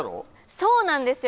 そうなんですよ。